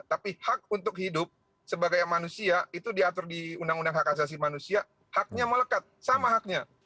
tapi hak untuk hidup sebagai manusia itu diatur di undang undang hak asasi manusia haknya melekat sama haknya